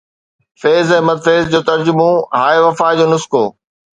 فيض احمد فيض جو ترجمو، ”هاءِ وفا“ جو نسخو